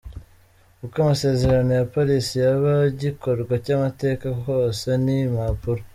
Uko amasezerno ya Paris yaba igikorwa cy’amateka kose, ni impapuro.